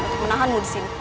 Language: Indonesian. untuk menahanmu disini